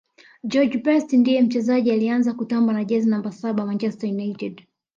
george best ndiye mchezaji aliyeanza kutamba na jezi namba saba manchester united